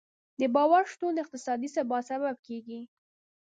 د باور شتون د اقتصادي ثبات سبب کېږي.